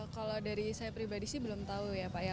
kalau dari saya pribadi sih belum tahu ya pak ya